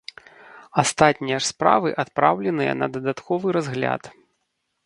Астатнія ж справы адпраўленыя на дадатковы разгляд.